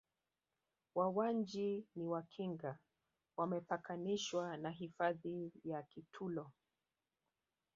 Wawanji na Wakinga wamepakanishwa na hifadhi ya Kitulo